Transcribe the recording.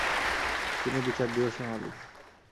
যিনি বিচার দিবসের মালিক।